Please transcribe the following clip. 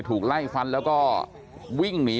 ถูกไล่ฟันแล้วก็วิ่งหนี